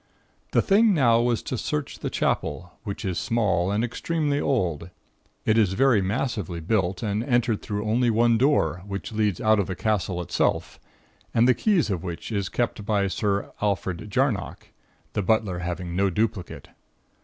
"The thing now was to search the Chapel, which is small and extremely old. It is very massively built, and entered through only one door, which leads out of the castle itself, and the key of which is kept by Sir Alfred Jarnock, the butler having no duplicate.